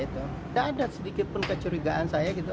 tidak ada sedikit pun kecurigaan saya gitu